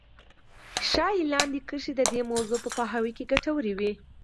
ښايي لاندې کرښې د دې موضوع په پوهاوي کې ګټورې وي.